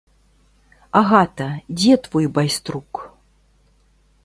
Агата, дзе твой байструк?